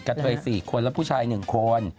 เทย๔คนและผู้ชาย๑คน